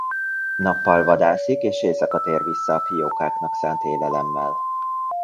Nappal vadászik és éjszaka tér vissza a fiókáknak szánt élelemmel.